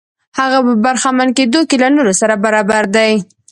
هغه په برخمن کېدو کې له نورو سره برابر دی.